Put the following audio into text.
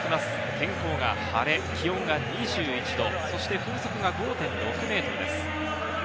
天候が晴れ、気温が２１度、そして風速が５．６メートルです。